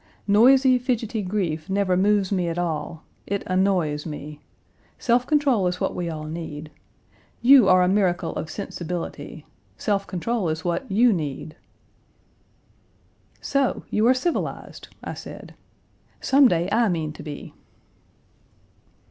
Noisy, fidgety grief never moves me at all; it annoys me. Self control is what we all need. You are a miracle of sensibility; self control is what you need." "So you are civilized!" I said. "Some day I mean to be."